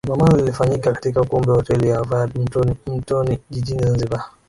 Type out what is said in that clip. Kongamano lilifanyika katika ukumbi wa Hoteli ya Verde Mtoni Jijini Zanzibar